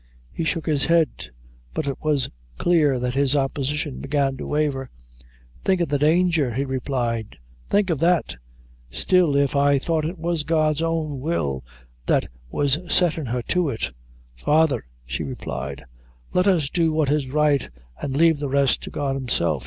He shook his head, but it was clear that his opposition began to waver. "Think of the danger," he replied; "think of that. Still if I thought it was God's own will that was setting her to it " "Father," she replied, "let us do what is right, and lave the rest to God Himself.